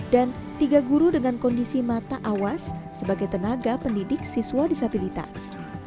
dan tiga guru dengan kondisi mata awas sebagai tenaga pendidik siswa disabilitas